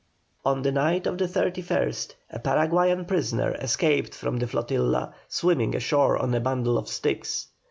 On the night of the 31st, a Paraguayan prisoner escaped from the flotilla, swimming ashore on a bundle of sticks.